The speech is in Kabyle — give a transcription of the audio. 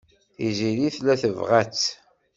Tiziri tella tebɣa-tt.